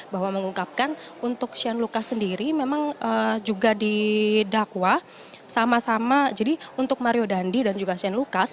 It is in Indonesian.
bahwa mengungkapkan untuk shane lucas sendiri memang juga didakwa sama sama jadi untuk mario dandi dan juga shane lucas